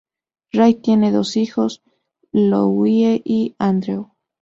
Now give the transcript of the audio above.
Ray tiene dos hijos: Louie y Andrew.